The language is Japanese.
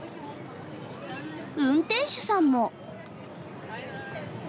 運転手さんも。